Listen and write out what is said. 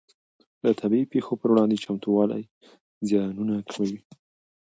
د طبیعي پېښو پر وړاندې چمتووالی زیانونه کموي.